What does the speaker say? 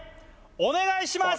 お願いします！